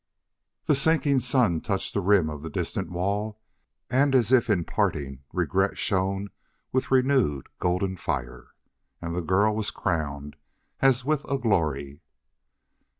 The sinking sun touched the rim of the distant wall, and as if in parting regret shone with renewed golden fire. And the girl was crowned as with a glory.